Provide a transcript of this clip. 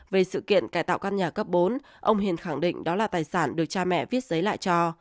về sự kiện cải tạo căn nhà cấp bốn ông hiền khẳng định đó là tài sản được cha mẹ viết giấy lại cho